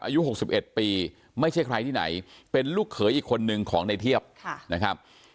อายุ๖๑ปีไม่ใช่ใครที่ไหนเป็นลูกเขยอีกคนนึงของในเทียบนะครับ